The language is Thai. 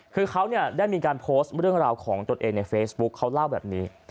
คือเขาได้มีการโพสต์เรื่องราวของตนเองในเฟซบุ๊คเขาเล่าแบบนี้